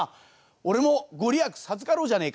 俺も御利益授かろうじゃねえか」